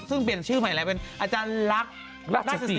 ซึ่งเปลี่ยนชื่อใหม่แล้วเป็นอาจารย์ลักษณ์รักษี